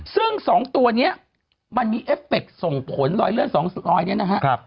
ซึ่งสองตัวนี้มันมีเอฟเฟคส่งผลรอยเลื่อนสองรอยนี้นะครับ